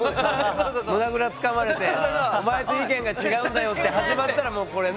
胸ぐらつかまれて「お前と意見が違うんだよ！」って始まったらもうこれね。